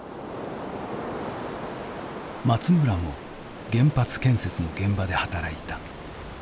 松村も原発建設の現場で働いた。